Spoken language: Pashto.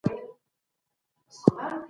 شکنجه کول د بشري حقونو جدي سرغړونه ده.